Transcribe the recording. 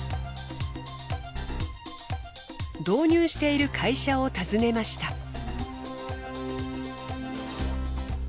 導入している会社を訪ねました。